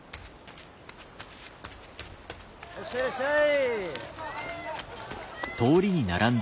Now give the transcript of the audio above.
いらっしゃいいらっしゃい！